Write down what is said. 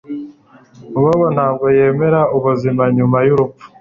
Bobo ntabwo yemera ubuzima nyuma yurupfu